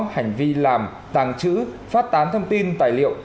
hành vi làm tàng trữ phát tán thông tin tài liệu